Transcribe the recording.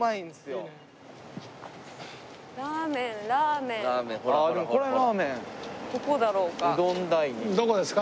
どこだろうか？